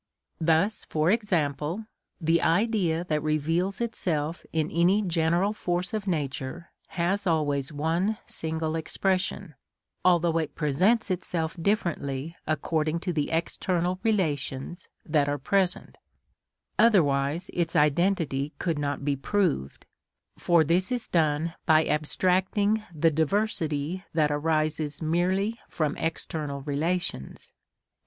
Thus, for example the Idea that reveals itself in any general force of nature has always one single expression, although it presents itself differently according to the external relations that are present: otherwise its identity could not be proved, for this is done by abstracting the diversity that arises merely from external relations.